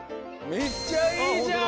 めっちゃいいじゃん！